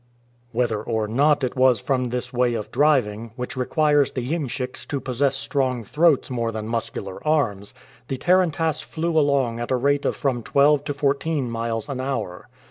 Whether or not it was from this way of driving, which requires the iemschiks to possess strong throats more than muscular arms, the tarantass flew along at a rate of from twelve to fourteen miles an hour.